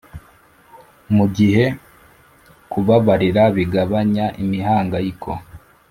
mu gihe kubabarira bigabanya imihangayiko